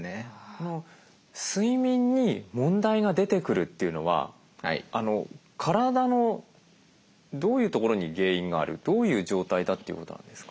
睡眠に問題が出てくるっていうのは体のどういうところに原因があるどういう状態だっていうことなんですか？